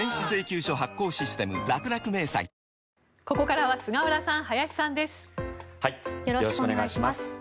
ここからは菅原さん、林さんです。